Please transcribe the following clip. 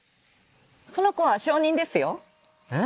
その子は小人ですよ。え？